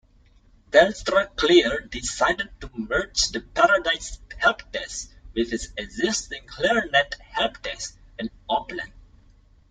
TelstraClear decided to merge the Paradise helpdesk with its existing Clearnet helpdesk in Auckland.